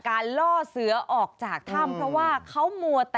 หรือน่ากลัว